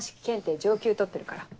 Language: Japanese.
上級取ってるから。